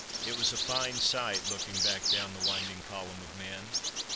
It was a fine sight, looking back down the winding column of men.